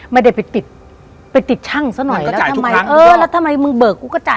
ไม่ได้ไปติดไปติดช่างซะหน่อยก็จะทำไมเออแล้วทำไมมึงเบิกกูก็จ่าย